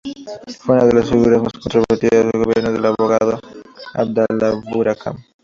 Fue una de las figuras más controvertidas del gobierno del abogado Abdalá Bucaram.